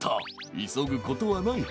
いそぐことはない。